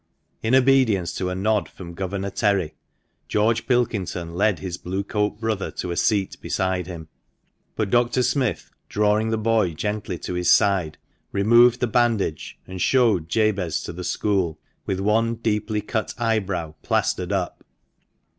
In obedience to a nod from Governor Terry, George Pilkington led his Blue coat brother to a seat beside him ; but Dr. Smith, drawing the boy gently to his side, removed the bandage, and showed Jabez to the school with one deeply cut eyebrow plaistered up.